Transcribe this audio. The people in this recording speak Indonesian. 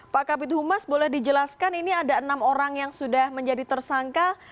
pak kapit humas boleh dijelaskan ini ada enam orang yang sudah menjadi tersangka